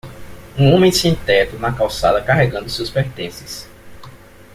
Um homem sem-teto na calçada carregando seus pertences.